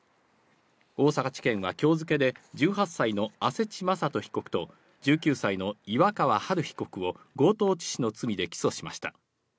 大阪地検はきょう付けで、１８歳の阿世知まさと被告と、１９歳の岩川榛被告を強盗致死の罪で起訴しました。